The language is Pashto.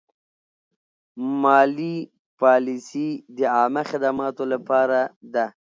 مالي پالیسي د عامه خدماتو لپاره ده.